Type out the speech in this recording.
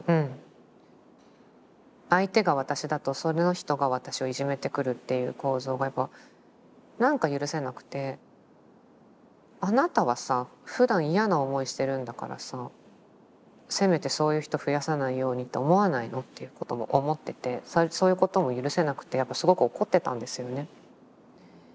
相手が私だとその人が私をいじめてくるっていう構造がやっぱなんか許せなくて「あなたはさふだん嫌な思いしてるんだからさせめてそういう人増やさないようにと思わないの？」っていうことも思っててそういうことも許せなくてやっぱすごく怒ってたんですよね。